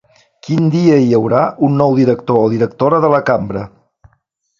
Quin dia hi haurà un nou director o directora de la Cambra?